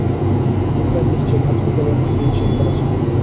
আমি প্রায় নিশ্চিত আজ বিকালে উনি ক্লিন শেভ করা ছিলেন।